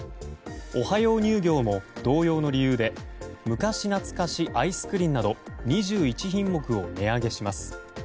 オハヨー乳業も同様の理由で昔なつかしアイスクリンなど２１品目を値上げします。